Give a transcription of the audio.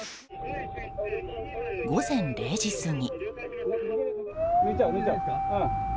午前０時過ぎ。